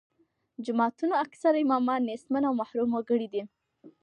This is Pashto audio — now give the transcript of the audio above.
جوماتونو اکثره امامان نیستمن او محروم وګړي دي.